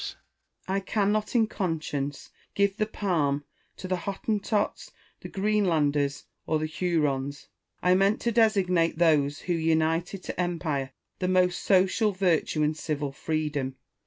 I cannot in conscience give the palm to the Hottentots, the Greenlanders, or the Hurons : I meant to designate those who united to empire the most social virtue and civil freedom.